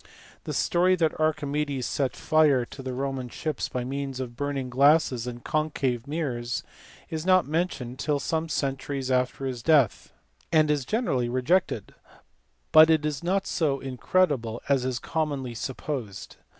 The story that Archimedes set fire to ARCHIMEDES. G7 the Roman ships by means of burning glasses and concave mirrors is not mentioned till some centuries after his death, and is generally rejected : but it is not so incredible as is com monly supposed.